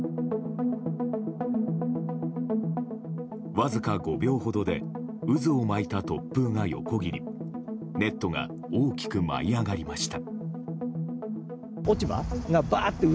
わずか５秒ほどで渦を巻いた突風が横切りネットが大きく舞い上がりました。